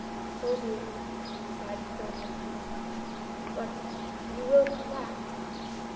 "So be it," sighed Jean Baptiste. "But — you will come back